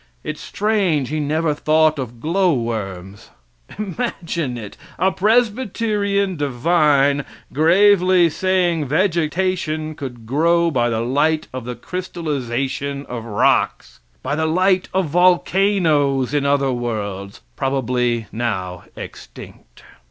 It's strange He never thought of glow worms! Imagine it! a Presbyterian divine gravely saying vegetation could grow by the light of the crystallization of rocks by the light of volcanoes in other worlds, probably now extinct.